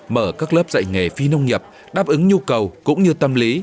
mở các lớp dạy nghề phi nông nghiệp đáp ứng nhu cầu cũng như tâm lý